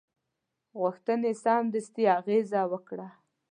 غوښتنې سمدستي اغېزه وکړه.